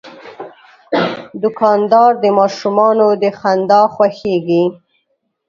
دوکاندار د ماشومانو د خندا خوښیږي.